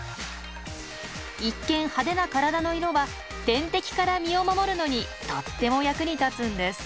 一見派手な体の色は天敵から身を守るのにとっても役に立つんです。